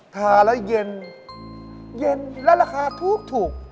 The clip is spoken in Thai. ทาแล้วเย็นเย็นและราคาถูก